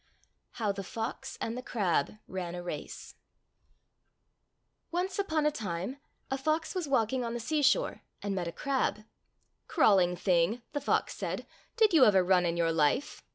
HOW THE FOX AND THE CRAB RAN A RACE O NCE upon a time a fox was walking on the seashore and met a crab. "Crawling thing," the fox said, "did you ever run in your life?"